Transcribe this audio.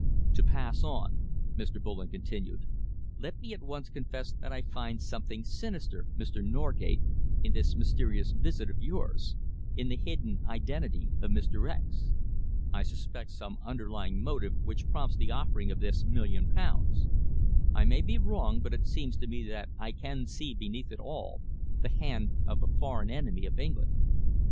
"To pass on," Mr. Bullen continued, "let me at once confess that I find something sinister, Mr. Norgate, in this mysterious visit of yours, in the hidden identity of Mr. X . I suspect some underlying motive which prompts the offering of this million pounds. I may be wrong, but it seems to me that I can see beneath it all the hand of a foreign enemy of England."